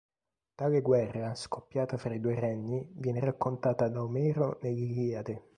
Tale guerra scoppiata fra i due regni viene raccontata da Omero nell'Iliade.